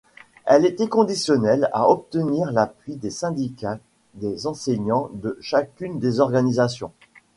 Elle était conditionnelle à obtenir l'appui des syndicats des enseignants de chacune des organisations.